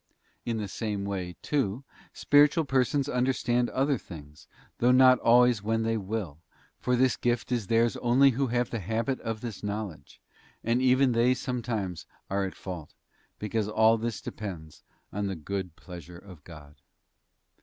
f In the same way, too, spiritual persons understand other things, though not always when they will: for this gift is theirs only who have the habit of this knowledge, and even they sometimes are at fault, because all this depends on the good pleasure of God.